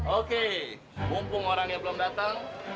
oke mumpung orang yang belum datang